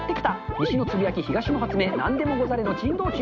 西のつぶやき、東の発明、なんでもござれの珍道中。